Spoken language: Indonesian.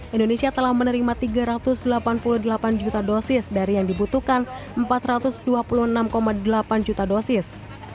indonesia telah menerima tiga ratus delapan puluh delapan juta dosis dari yang dibutuhkan empat ratus dua puluh enam delapan juta dosis